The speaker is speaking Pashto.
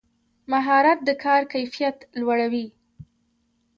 مهارت د کار کیفیت لوړوي